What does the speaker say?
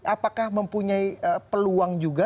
apakah mempunyai peluang juga